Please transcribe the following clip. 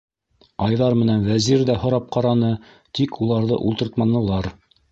Айҙар менән Вәзир ҙә һорап ҡараны, тик уларҙы ултыртманылар.